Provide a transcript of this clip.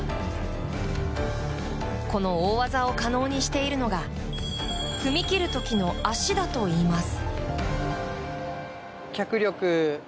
この大技を可能にしているのが踏み切る時の足だといいます。